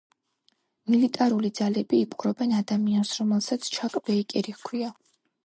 მილიტარული ძალები იპყრობენ ადამიანს, რომელსაც ჩაკ ბეიკერი ჰქვია.